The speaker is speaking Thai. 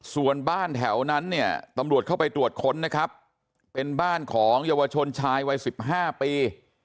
ส่วนบ้านแถวนั้นเนี่ยตำรวจเข้าไปตรวจค้นนะครับเป็นบ้านของเยาวชนชายวัย๑๕ปี